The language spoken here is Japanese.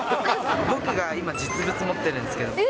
僕が今、実物持ってるんですけど。